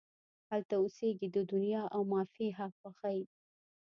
هلته اوسیږې د دنیا او مافیها خوښۍ